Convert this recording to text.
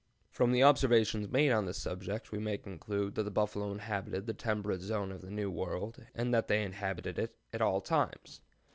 ] "From the observations made on this subject we may conclude that the buffalo inhabited the temperate zone of the New World, and that they inhabited it at all times.